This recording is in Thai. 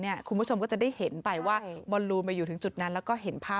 เมื่อเวลาเมื่อเวลามันกลายเป้าหมายมากกว่า